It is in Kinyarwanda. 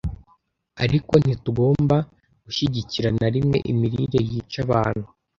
Ariko ntitugomba gushyigikira na rimwe imirire yica abantu